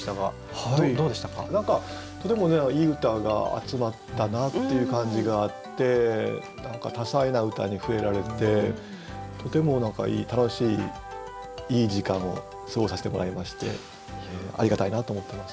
何かとてもいい歌が集まったなっていう感じがあって何か多彩な歌に触れられてとても楽しいいい時間を過ごさせてもらいましてありがたいなと思ってます。